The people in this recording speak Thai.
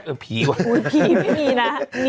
แบบผีวะหนีอ่ะ